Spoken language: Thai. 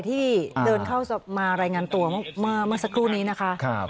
ที่เดินเข้ามารายงานตัวเมื่อสักครู่นี้นะคะ